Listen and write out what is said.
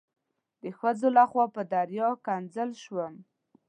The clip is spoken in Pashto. د ښځو لخوا په دریا ښکنځل شوم.